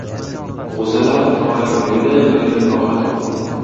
G‘uzalarim tomiri yoyilib-yoyilib rohat oldi.